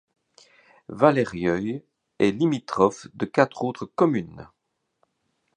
Vallereuil est limitrophe de quatre autres communes.